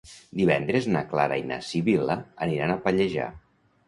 Divendres na Clara i na Sibil·la aniran a Pallejà.